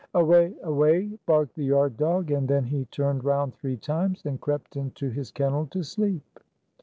"Away! Away!" barked the yard dog, and then he turned round three times, and crept into his kennel to sleep.